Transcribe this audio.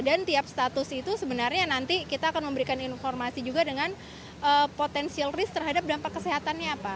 dan tiap status itu sebenarnya nanti kita akan memberikan informasi juga dengan potensial risk terhadap dampak kesehatannya apa